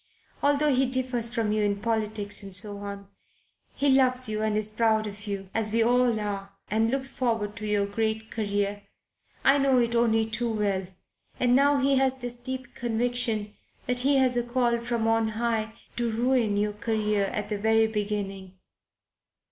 Although he differs from you in politics and so on, he loves you and is proud of you as we all are and looks forward to your great career I know it only too well. And now he has this deep conviction that he has a call from on High to ruin your career at the very beginning.